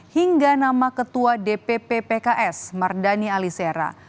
hingga nama ketua dpp pks mardani alisera